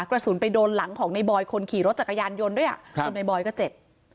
กระสุนไปโดนหลังของในบอยคนขี่รถจักรยานยนต์ด้วยจนในบอยก็เจ็บ